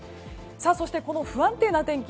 そして、この不安定な天気